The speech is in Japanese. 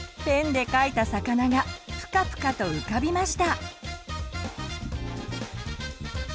ペンで描いた魚がプカプカと浮かびました！